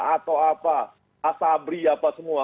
atau apa asabri apa semua